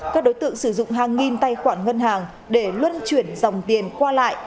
các đối tượng sử dụng hàng nghìn tài khoản ngân hàng để luân chuyển dòng tiền qua lại